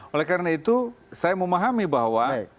oleh karena itu saya memahami bahwa